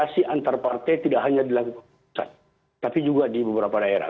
setiap partai tidak hanya di lantau tapi juga di beberapa daerah